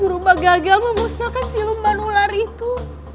guru ma gagal memusnahkan si luman ular itu